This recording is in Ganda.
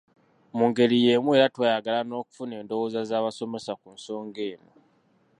Mu ngeri y'emu era twayagala n'okufuna endowooza z'abasomesa ku nsonga eno.